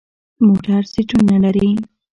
موټر سیټونه لري.